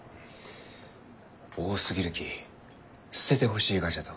多すぎるき捨ててほしいがじゃと。